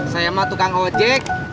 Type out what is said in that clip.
saya mah tukang hojek